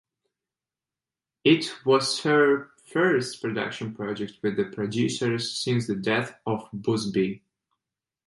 It was her first production project with the producers since the death of busbee.